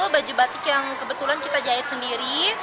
baju batik yang kebetulan kita jahit sendiri